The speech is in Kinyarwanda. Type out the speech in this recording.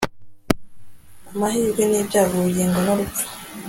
amahirwe n'ibyago, ubugingo n'urupfu